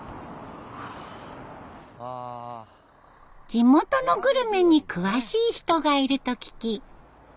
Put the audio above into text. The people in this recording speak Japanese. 地元のグルメに詳しい人がいると聞き。